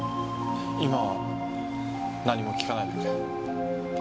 今は何も聞かないでくれ。